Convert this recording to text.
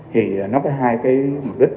thì nó có hai mục đích